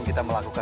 kemana dia ya